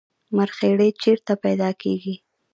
مرخیړي چیرته پیدا کیږي؟